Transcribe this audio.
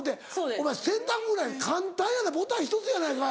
お前洗濯ぐらい簡単やないボタン１つやないかい。